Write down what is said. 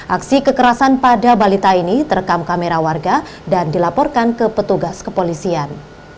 aksi kekerasan pada balita ini terekam kamera warga dan dilaporkan ke petugas kepolisian